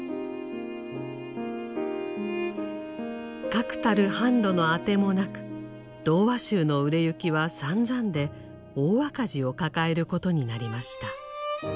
確たる販路の当てもなく童話集の売れ行きはさんざんで大赤字を抱えることになりました。